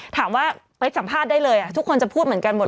ถามว่าไปสัมภาษณ์ได้เลยทุกคนจะพูดเหมือนกันหมด